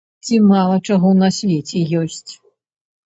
Ці мала чаго на свеце ёсць!